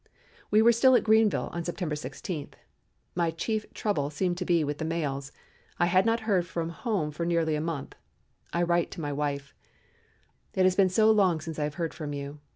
We were still at Greenville on September 16. My chief trouble seemed to be with the mails. I had not heard from home for nearly a month. I write my wife: "It has been so long since I have heard from you.